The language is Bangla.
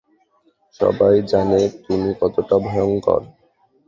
সবাই জানে তুমি কতটা ভয়ংকর।